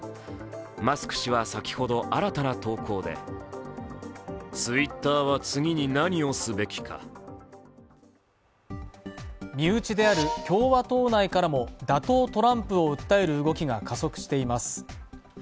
マスク氏は、先ほど新たな投稿で身内である共和党内からも打倒トランプを訴える動きが加速しています。